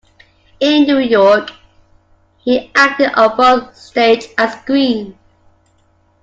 In New York, he acted on both stage and screen.